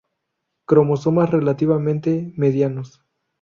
Cromosomas relativamente "medianos".